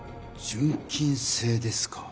純金製ですか。